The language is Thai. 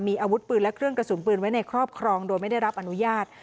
มีอาวุธปืนและเครื่องกระสุนปืนไว้ในครอบครองโดยไม่ได้รับอนุญาต